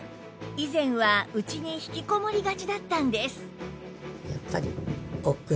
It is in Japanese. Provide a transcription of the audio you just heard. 以前は家に引きこもりがちだったんです